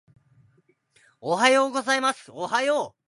おはようございますおはよう